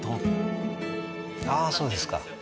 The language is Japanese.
あそうですか。